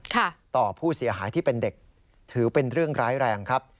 ต่อผู้เสียหายที่เป็นเด็กถือเป็นเรื่องร้ายแรงครับ